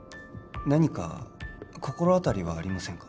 何か心当たりはありませんか？